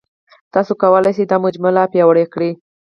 تاسو کولای شئ دا مجموعه لا پیاوړې کړئ.